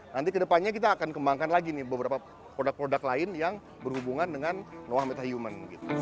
nanti kedepannya kita akan kembangkan lagi nih beberapa produk produk lain yang berhubungan dengan noah metahuman